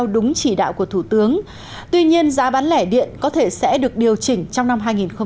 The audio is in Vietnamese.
đúng chỉ đạo của thủ tướng tuy nhiên giá bán lẻ điện có thể sẽ được điều chỉnh trong năm hai nghìn hai mươi